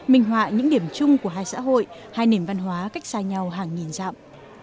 minh họa những điểm chung của hai xã hội hai nền văn hóa cách xa nhau hàng nghìn dặm